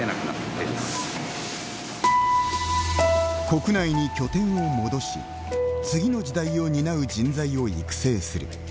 国内に拠点を戻し次の時代を担う人材を育成する。